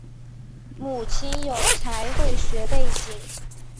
母亲有财会学背景。